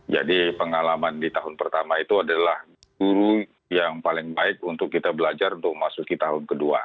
jadi pengalaman di tahun pertama itu adalah guru yang paling baik untuk kita belajar untuk masuk ke tahun kedua